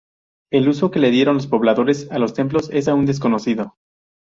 El uso que le dieron los pobladores a los templos es aún desconocido.